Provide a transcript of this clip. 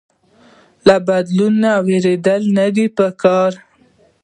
له بدلون ويره نده پکار